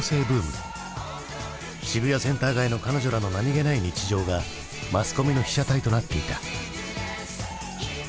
渋谷センター街の彼女らの何気ない日常がマスコミの被写体となっていた。